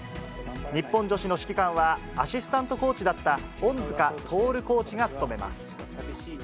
日本女子の指揮官は、アシスタントコーチだった恩塚亨コーチが務めます。